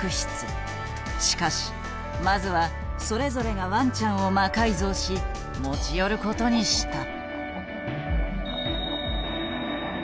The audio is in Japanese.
しかしまずはそれぞれがワンちゃんを魔改造し持ち寄ることにした。